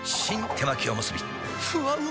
手巻おむすびふわうま